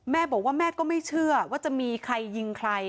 แม่บอกว่าแม่ก็ไม่เชื่อว่าจะมีใครยิงใคร